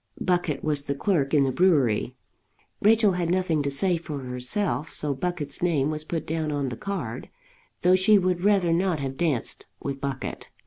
Buckett was the clerk in the brewery. Rachel had nothing to say for herself; so Buckett's name was put down on the card, though she would rather not have danced with Buckett.